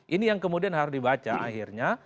ini yang kemudian harus dibaca akhirnya